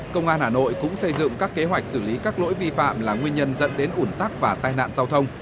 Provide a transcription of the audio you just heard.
công an hà nội cũng xây dựng các kế hoạch xử lý các lỗi vi phạm là nguyên nhân dẫn đến ủn tắc và tai nạn giao thông